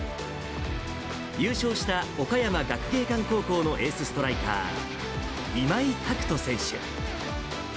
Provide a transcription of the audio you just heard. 優勝した岡山学芸館高校のエースストライカー、今井拓人選手。